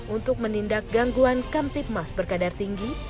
untuk menindak gangguan kamtip mas berkadar tinggi